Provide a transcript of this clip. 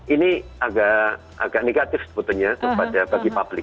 ini agak negatif sebetulnya bagi publik